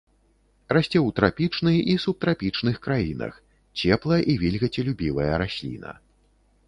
Расце ў трапічны і субтрапічных краінах, цепла- і вільгацелюбівая расліна.